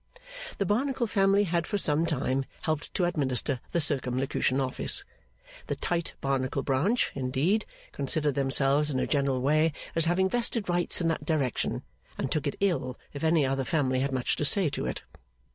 The Barnacle family had for some time helped to administer the Circumlocution Office. The Tite Barnacle Branch, indeed, considered themselves in a general way as having vested rights in that direction, and took it ill if any other family had much to say to it.